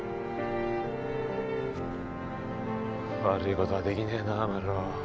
悪いことはできねえなぁ。